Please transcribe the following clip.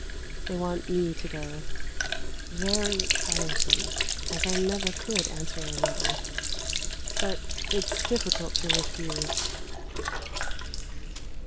They want me to go. Very tiresome, as I never could answer a riddle; but it's difficult to refuse.